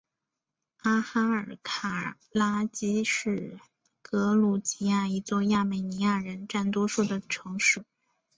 阿哈尔卡拉基是格鲁吉亚一座亚美尼亚人占多数的城市。